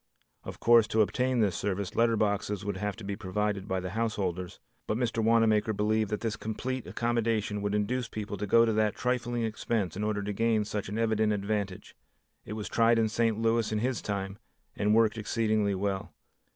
Of course to obtain this service, letter boxes would have to be provided by the householders, but Mr. Wanamaker believed that this complete accommodation would induce people to go to that trifling expense in order to gain such an evident advantage. It was tried in St. Louis in his time, and worked exceedingly well.